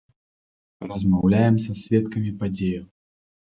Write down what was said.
Размаўляем са сведкамі падзеяў.